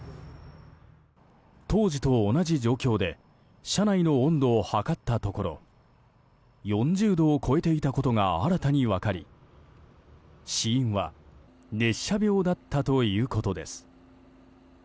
当時と同じ状況で車内の温度を測ったところ４０度を超えていたことが新たに分かり死因は熱射病だったということです。